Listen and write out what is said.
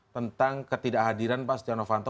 tentang ketidakhadiran pak stiano vanto